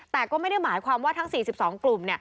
แต่ก็ไม่ได้หมายความว่าทั้ง๔๒กลุ่ม